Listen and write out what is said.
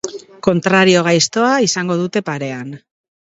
Kontrario gaiztoa izango dute parean.